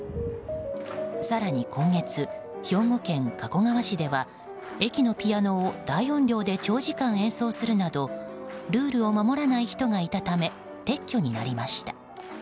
更に、今月兵庫県加古川市では駅のピアノを大音量で長時間演奏するなどルールを守らない人がいたため撤去になりました。